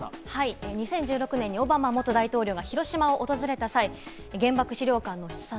２０１６年にオバマ大統領が広島を訪れた際、原爆資料館の視察。